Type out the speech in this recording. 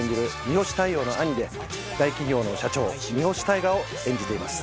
大陽の兄で大企業の社長三星大海を演じています。